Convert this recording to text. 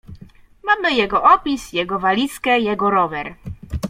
"Mamy jego opis, jego walizkę, jego rower."